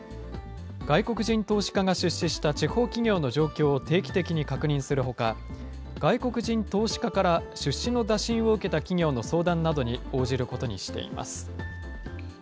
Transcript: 外国人投資家が出資した地方企業の状況を定期的に確認するほか、外国人投資家から出資の打診を受けた企業の相談などに応じること